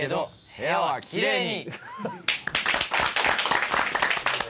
「部屋はきれいに」